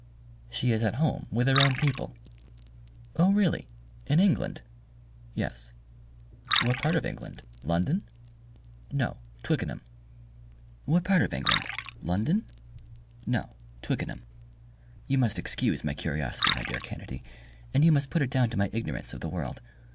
"She is at home with her own people." "Oh, really in England?" "Yes." "What part of England London?" "No, Twickenham." "You must excuse my curiosity, my dear Kennedy, and you must put it down to my ignorance of the world.